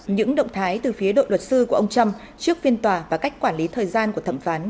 những động thái từ phía đội luật sư của ông trump trước phiên tòa và cách quản lý thời gian của thẩm phán